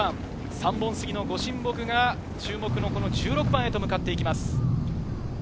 三本杉の御神木がある１６番へと向かっていきます。